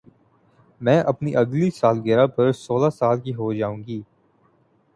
میں اپنی اگلی سالگرہ پر سولہ سال کی ہو جائو گی